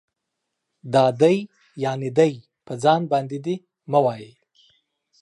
دا دی يعنې دے په ځای باندي دي مه وايئ